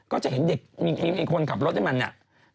ก็จะเห็นเด็กมีคนขับรถให้มันเนี่ย